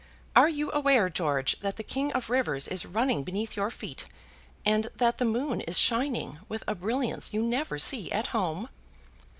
Are you aware, George, that the king of rivers is running beneath your feet, and that the moon is shining with a brilliance you never see at home?"